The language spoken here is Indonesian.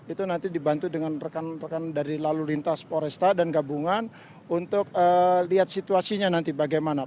itu nanti dibantu dengan rekan rekan dari lalu lintas poresta dan gabungan untuk lihat situasinya nanti bagaimana